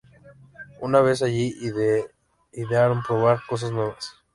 Una vez allí, idearon probar cosas nuevas.